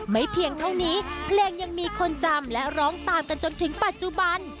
เพียงเท่านี้เพลงยังมีคนจำและร้องตามกันจนถึงปัจจุบัน